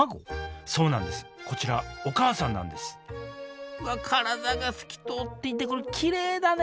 そうなんですこちらお母さんなんですうわっ体が透き通っていてこれきれいだね！